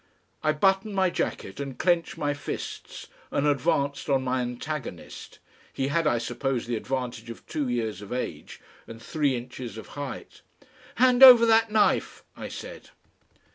I buttoned my jacket and clenched my fists and advanced on my antagonist he had, I suppose, the advantage of two years of age and three inches of height. "Hand over that knife," I said.